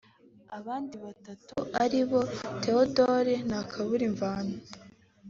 Abandi batatu ari bo Theodore Ntakaburimvano